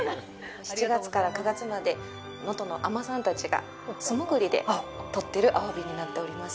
７月から９月まで能登の海女さんたちが素潜りで取っているアワビになっております。